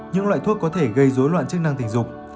những loại thuốc có thể gây dối loạn chức năng tình dục